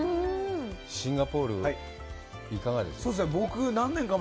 シンガポール、いかがですか？